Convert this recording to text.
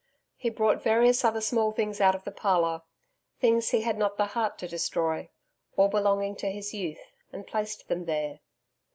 He brought various other small things out of the parlour things he had not the heart to destroy all belonging to his youth and placed them there.